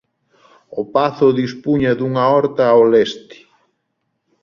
O pazo dispuña dunha horta ao leste.